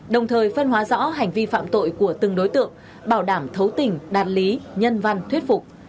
đồng thời phân hóa rõ hành vi phạm tội của từng đối tượng bảo đảm thấu tình đạt lý nhân văn thuyết phục